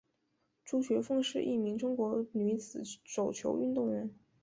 朱觉凤是一名中国女子手球运动员。